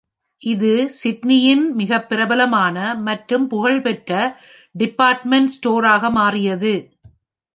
இது Sydney யின் மிக பிரபலமான மற்றும் புகழ்ப் பெற்ற டிபார்ட்மெண்ட் ஸ்டோராக மாறியது.